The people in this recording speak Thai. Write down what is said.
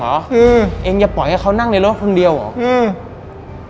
คือเองอย่าปล่อยให้เขานั่งในรถคนเดียวเหรออืม